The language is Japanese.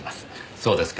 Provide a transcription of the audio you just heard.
そうですか。